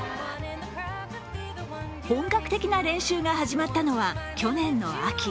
本格的な練習が始まったのは去年の秋。